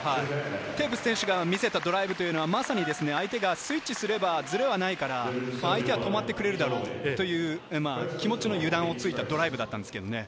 テーブス選手が見せたドライブはまさに相手がスイッチすればズレはないから相手は止まってくれるだろうという気持ちの油断をついたドライブだったんですけどね。